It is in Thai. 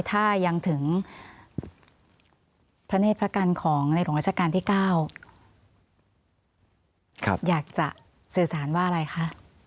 ถ้ายังถึงพระเนธพระกันของในหลวงราชการที่๙อยากจะสื่อสารว่าอะไรคะ